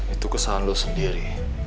itu kesalahan lo sendiri